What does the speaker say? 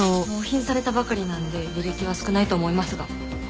納品されたばかりなので履歴は少ないと思いますが。